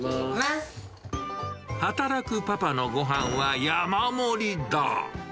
働くパパのごはんは山盛りだ。